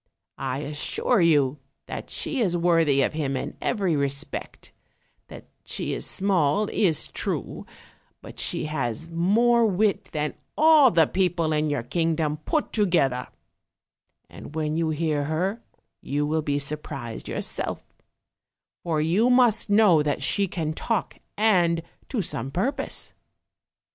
I assure you that she is worthy of him in every respect; that she is small is true, but she has more wit than all the people in your kingdom put to gether; and when you hear her you will be surprised yourself; for you must know that she can talk, and to some purpose.